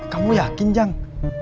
kamu yakin jang